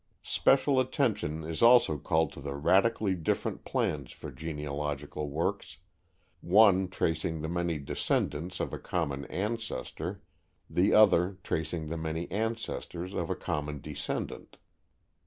Special attention is also called to the radically different plans for genealogical works, one tracing the many descendants of a common ancestor, the other tracing the many ancestors of a common descendant.